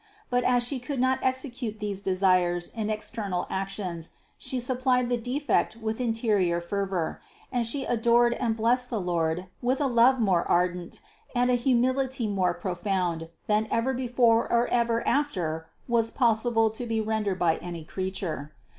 But as She could not execute these desires in external actions, She supplied the defect with interior fervor, and She adored and blessed the Lord with a love more ardent, and a humility more profound than ever before or ever after was possible to be rendered by any creature.